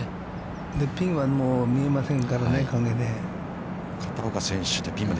ピンは見えませんからね、影で。